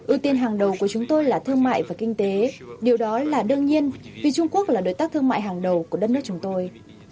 ưu tiên hàng đầu của chúng tôi là thương mại và kinh tế điều đó là đương nhiên vì trung quốc là đối tác thương mại hàng đầu của đất nước chúng tôi